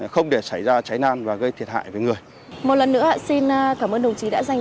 không để xảy ra cháy lan và gây thiệt hại về người một lần nữa xin cảm ơn đồng chí đã dành